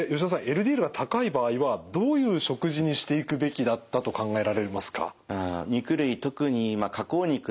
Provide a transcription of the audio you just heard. ＬＤＬが高い場合はどういう食事にしていくべきだったと考えられますか？